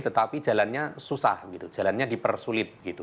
tetapi jalannya susah gitu jalannya dipersulitkan